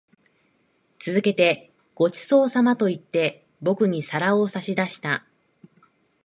続けて、ご馳走様と言って、僕に皿を差し出した。